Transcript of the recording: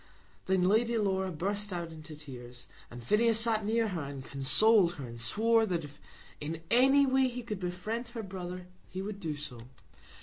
Then Lady Laura burst out into tears, and Phineas sat near her, and consoled her, and swore that if in any way he could befriend her brother he would do so.